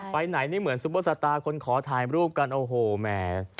ไปไหนนี่เหมือนซุปเปอร์สตาร์คนขอถ่ายรูปกันโอ้โหแหม